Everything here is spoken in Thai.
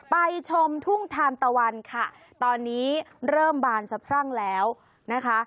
ไปชมทุ่งทานตะวันค่ะตอนนี้เริ่มบานสะพรั่งแล้วนะคะ